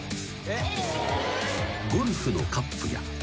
［ゴルフのカップや］